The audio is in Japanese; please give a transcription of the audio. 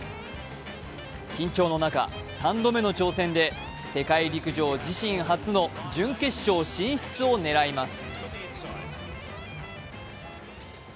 緊張の中、３度目の挑戦で世界陸上自身初の準決勝進出を狙います。